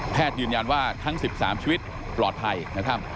ยืนยันว่าทั้ง๑๓ชีวิตปลอดภัยนะครับ